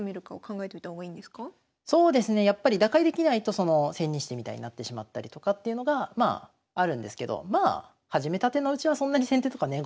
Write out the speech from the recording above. やっぱり打開できないと千日手みたいになってしまったりとかっていうのがあるんですけどまあ始めたてのうちはそんなに先手とかね